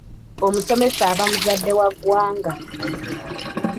Omusomesa aba muzadde wa ggwanga.